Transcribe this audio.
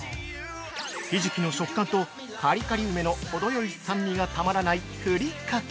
ひじきの食感とカリカリ梅の程よい酸味がたまらないふりかけ。